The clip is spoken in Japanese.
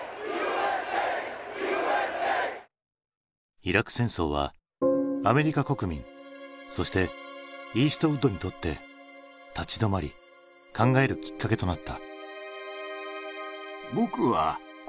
イラク戦争はアメリカ国民そしてイーストウッドにとって立ち止まり考えるきっかけとなった。